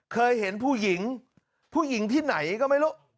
เคยเห็นผู้หญิงผู้หญิงที่ไหนก็ไม่รู้